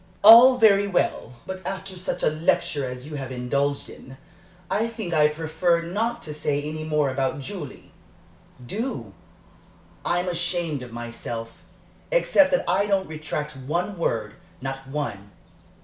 "All very well, but after such a lecture as you have indulged in, I think I prefer not to say any more about Julie." "Do. I'm ashamed of myself except that I don't retract one word, not one.